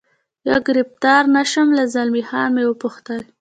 یا ګرفتار نه شم، له زلمی خان مې و پوښتل.